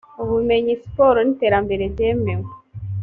ubumenyi siporo n iterambere byemewe